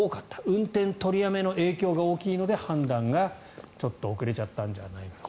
運転取りやめの影響が大きいので判断がちょっと遅れちゃったんじゃないかと。